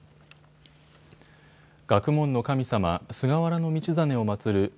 学問の神様、菅原道真を祭る